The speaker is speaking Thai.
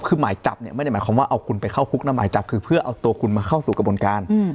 คือหมายจับเนี่ยไม่ได้หมายความว่าเอาคุณไปเข้าคุกแล้วหมายจับคือเพื่อเอาตัวคุณมาเข้าสู่กระบวนการ